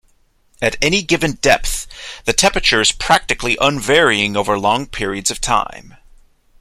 At any given depth, the temperature is practically unvarying over long periods of time.